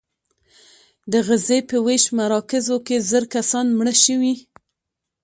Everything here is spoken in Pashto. د غزې په ویش مراکزو کې زر کسان مړه شوي.